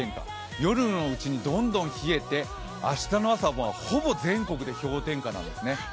夜のうちにどんどん冷えて明日の朝はほぼ全国で氷点下なんですね。